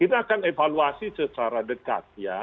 kita akan evaluasi secara dekat ya